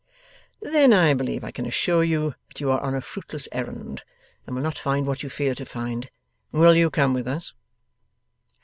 'Then I believe I can assure you that you are on a fruitless errand, and will not find what you fear to find. Will you come with us?